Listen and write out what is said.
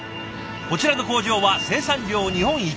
こちらの工場は生産量日本一。